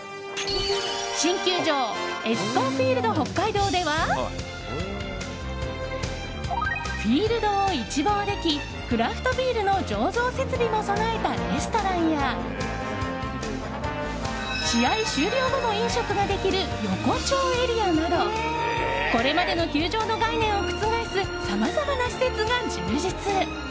新球場、エスコンフィールドＨＯＫＫＡＩＤＯではフィールドを一望できクラフトビールの醸造設備も備えたレストランや試合終了後も飲食ができる横丁エリアなどこれまでの球場の概念を覆すさまざまな施設が充実。